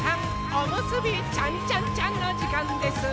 おむすびちゃんちゃんちゃんのじかんです！